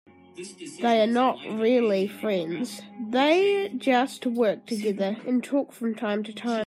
They are not really friends, they just work together and talk from time to time.